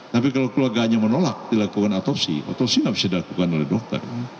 tapi kalau keluarganya menolak dilakukan otopsi otopsi nggak bisa dilakukan oleh dokter